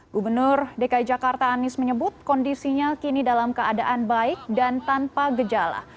gubernur dki jakarta anies menyebut kondisinya kini dalam keadaan baik dan tanpa gejala